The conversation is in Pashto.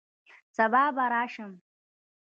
سبا به راشم